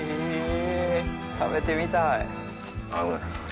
食べてみたい。